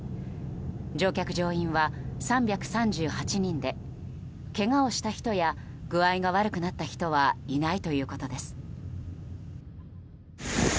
乗客・乗員は３３８人でけがをした人や具合が悪くなった人はいないということです。